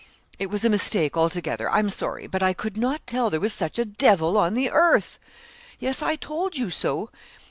'It was a mistake, altogether; I'm sorry, but I could not tell there was such a devil on the earth.' 'Yes, I told you so.